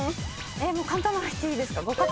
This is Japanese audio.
簡単なのいっていいですか。